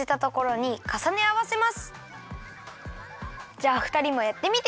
じゃあふたりもやってみて！